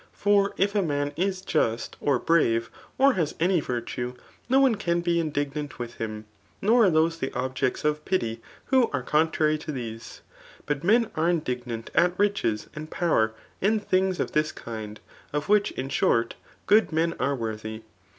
For if a man is just or brave^ or has any imtue, no one can be indig nant with him ; nor are those the objects of pity who are contrary to these* But men are indiguant at riches and power, and things of this kind, of which, in short, good men are worthy.